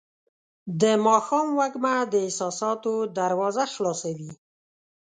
د ماښام وږمه د احساساتو دروازه خلاصوي.